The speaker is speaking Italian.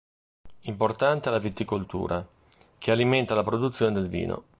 Importante è la viticoltura, che alimenta la produzione del vino.